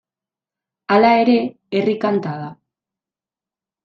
Hala ere, herri kanta da.